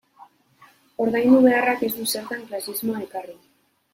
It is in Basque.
Ordaindu beharrak ez du zertan klasismoa ekarri.